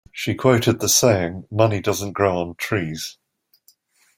She quoted the saying: money doesn't grow on trees.